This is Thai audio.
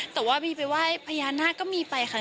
แต่ว่าบีไปไหว้พญานาคก็มีไปค่ะ